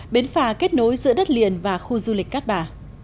bến phà kết nối giữa đất liền và khu du lịch cát bà